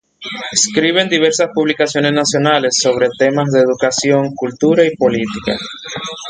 Escribe en diversas publicaciones nacionales sobre temas de educación, cultura y política.